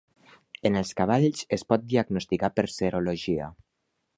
En els cavalls es pot diagnosticar per serologia.